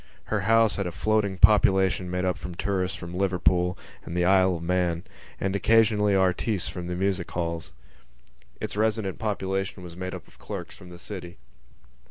Her house had a floating population made up of tourists from Liverpool and the Isle of Man and, occasionally, artistes from the music halls. Its resident population was made up of clerks from the city.